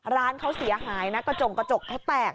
ร้านเขาเสียหายนะกระจงกระจกเขาแตก